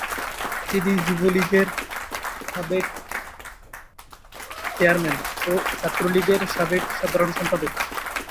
তিনি যুবলীগের সাবেক চেয়ারম্যান ও ছাত্রলীগের সাবেক সাধারণ সম্পাদক।